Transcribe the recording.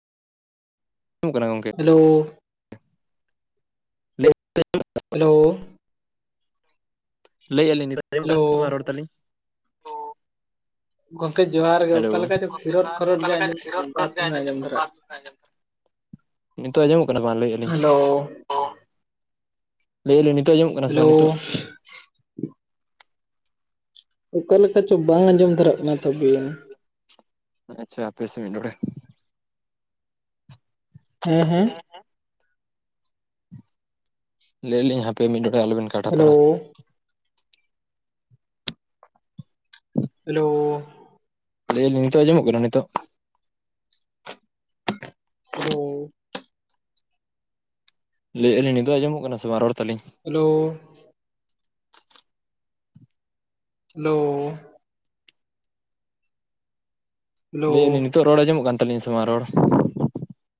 ᱡᱚᱢᱚᱜ ᱠᱟᱱᱟ ᱜᱚᱝᱠᱮ ᱦᱮᱞᱳ [unintelligible] ᱦᱮᱞᱳ᱾ ᱞᱟᱹᱭᱮᱜ ᱟᱞᱤᱝ ᱱᱤᱛᱚᱜ ᱟᱸᱡᱚᱢᱚᱜ ᱦᱮᱞᱳ ᱠᱟᱱᱟ ᱥᱮ ᱵᱟᱝ ᱨᱚᱲ ᱛᱟᱹᱞᱤᱧ? ᱜᱚᱢᱠᱮ ᱡᱚᱦᱟᱨ ᱜᱮ, ᱦᱮᱞᱳ ᱚᱠᱟ ᱞᱮᱠᱟ ᱪᱚ ᱜᱚᱝᱠᱮ ᱠᱷᱤᱨᱚᱛ ᱡᱚᱦᱟᱨ ᱠᱷᱚᱨᱚᱛ ᱚᱠᱟ ᱜᱮ ᱞᱮᱠᱟ ᱟᱸᱡᱚᱢᱚᱜ ᱪᱚ ᱠᱟᱱᱟ ᱵᱟᱵᱮᱱ ᱟᱸᱡᱚᱢ ᱟᱸᱡᱚᱢᱚᱜ ᱫᱚᱨᱭᱟᱜ ᱵᱟᱨ ᱠᱟᱱᱟ᱾ [unintelligible] ᱫᱷᱟᱣ ᱟᱸᱡᱚᱢ ᱠᱟᱱᱟ ᱱᱤᱛᱚᱜ ᱟᱸᱡᱚᱢᱚᱜ ᱠᱟᱱᱟ ᱢᱟ ᱞᱟᱹᱭᱮᱜᱼᱟ ᱞᱤᱝ? ᱦᱮᱞᱳ [unintelligible] ᱞᱟᱹᱭᱮᱜᱼᱟ ᱞᱤᱝ ᱱᱤᱛᱚᱜ ᱟᱡᱚᱢᱚᱜ ᱠᱟᱱᱟ ᱥᱮ ᱦᱮᱞᱳ ᱵᱟᱝ ᱱᱤᱛᱚᱜ? ᱚᱠᱟ ᱞᱮᱠᱟ ᱪᱚ ᱵᱟᱝ ᱟᱸᱡᱚᱢ ᱫᱷᱟᱨᱟᱜ ᱠᱟᱱᱟ ᱛᱟᱹᱵᱤᱱ᱾ ᱟᱪᱪᱷᱟ ᱦᱟᱯᱮ ᱥᱮ ᱢᱤᱫ ᱰᱚᱰᱮ᱾ ᱦᱮᱸ, ᱦᱮᱸ? ᱞᱟᱹᱭᱮᱜ ᱞᱤᱝ ᱦᱟᱯᱮ ᱢᱤᱫ ᱰᱚᱰᱮ ᱟᱞᱚᱵᱮᱱ ᱠᱟ ᱦᱮᱞᱳ᱾ ᱦᱮᱞᱳ᱾ ᱞᱟᱹᱭᱟᱹᱞᱤᱧ ᱱᱤᱛᱚᱜ ᱟᱸᱡᱚᱢᱚᱜ ᱠᱟᱱᱟ ᱱᱤᱛᱚᱜ? ᱦᱮᱸ᱾ ᱞᱟᱹᱭᱮᱜ ᱟᱞᱤᱧ ᱱᱤᱛ ᱟᱸᱡᱚᱢᱚᱜ ᱠᱟᱱᱟ ᱥᱮ ᱵᱟᱝ ᱨᱚᱲ ᱛᱟᱹᱞᱤᱧ? ᱦᱮᱞᱳ᱾ ᱦᱮᱞᱳ᱾ ᱦᱮᱞᱳ ᱞᱟᱹᱭᱮᱜ-ᱟ ᱞᱤᱧ ᱱᱤᱛᱚᱜ ᱨᱚᱲ ᱟᱸᱡᱚᱜ ᱠᱟᱱ ᱛᱟᱹᱞᱤᱧᱟ ᱥᱮ ᱵᱟᱝ ᱨᱚᱲ?